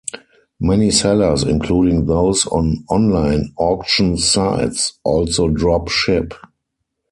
Many sellers, including those on online auction sites, also drop ship.